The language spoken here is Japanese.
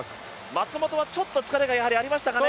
松元はちょっと疲れがやはりありましたかね。